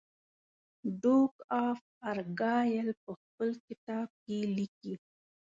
ډوک آف ارګایل په خپل کتاب کې لیکي.